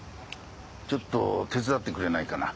ちょっと手伝ってくれないかな？